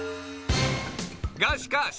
がしかし！